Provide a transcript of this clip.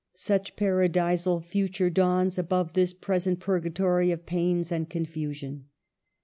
Such paradisal future dawns above this present purgatory of pains and confusion.